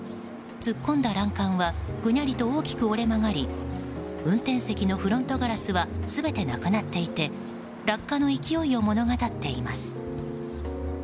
突っ込んだ欄干はぐにゃりと大きく折れ曲がり運転席のフロントガラスは全てなくなっていて落下の勢いを物語っています。